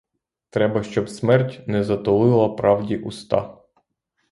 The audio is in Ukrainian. Треба, щоб смерть не затулила правді уста.